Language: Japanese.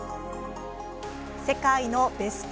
「世界のベスト！